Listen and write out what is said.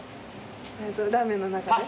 ラーメンの中で？